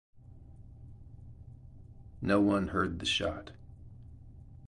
No one heard the shot.